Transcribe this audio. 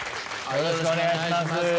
よろしくお願いします。